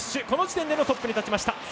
この時点でのトップに立ちました。